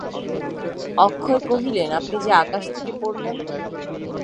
অক্ষয় কহিলেন, আপনি যে আকাশ থেকে পড়লেন!